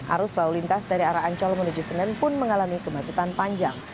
arus lau lintas dari arahan colmenuju senen pun mengalami kemacetan panjang